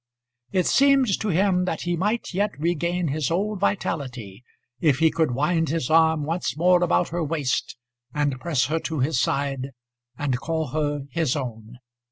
It seemed to him that he might yet regain his old vitality if he could wind his arm once more about her waist, and press her to his side, and call her his own.